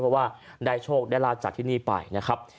เพราะว่าได้โชคได้ลาบจากที่นี่ไปนะครับ